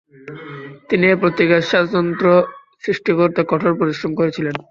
তিনি এই পত্রিকার স্বাতন্ত্র্য সৃষ্টি করতে কঠোর পরিশ্রম করেছিলেন।